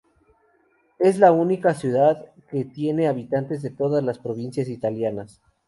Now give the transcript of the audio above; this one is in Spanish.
Es la única ciudad que tiene habitantes de todas las provincias italianas.